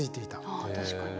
はあ確かに。